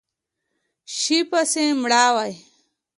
شي پسې مړاوی